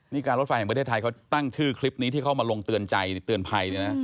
นี่การรถไฟแห่งประเทศไทยเขาตั้งชื่อคลิปนี้ที่เขามาลงเตือนใจเตือนภัยเนี่ยนะ